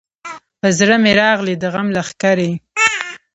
پر زړه مي راغلې د غم لښکري